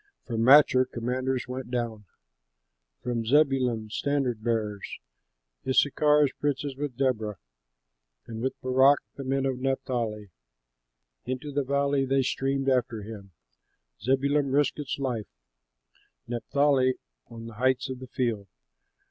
From Machir, commanders went down, From Zebulun, standard bearers, Issachar's princes with Deborah, And with Barak, the men of Naphtali; Into the valley they streamed after him. "Zebulun risked its life, Naphtali on the heights of the field.